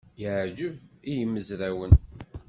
Yeɛjeb i yimezrawen.